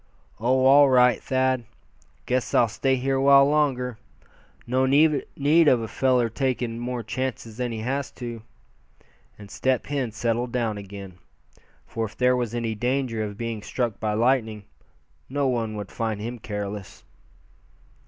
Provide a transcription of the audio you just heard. "Oh! all right, Thad. Guess I'll stay awhile longer. No need of a feller takin' more chances than he has to," and Step Hen settled down again; for if there was any danger of being struck by lightning, no one would find him careless.